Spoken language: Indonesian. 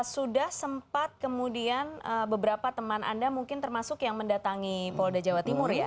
sudah sempat kemudian beberapa teman anda mungkin termasuk yang mendatangi polda jawa timur ya